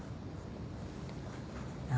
何？